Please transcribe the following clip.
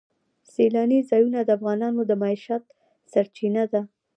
سیلانی ځایونه د افغانانو د معیشت سرچینه ده.